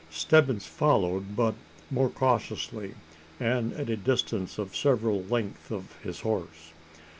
Stebbins followed, but more cautiously and at a distance of several lengths of his horse.